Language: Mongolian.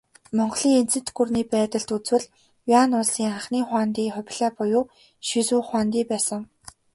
Монголын эзэнт гүрний байдалд үзвэл, Юань улсын анхны хуанди Хубилай буюу Шизү хуанди байсан.